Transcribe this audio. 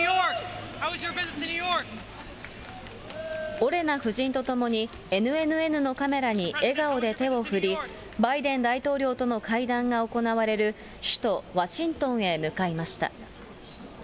オレナ夫人と共に、ＮＮＮのカメラに笑顔で手を振り、バイデン大統領との会談が行われる首都ワシントンへ向かいました。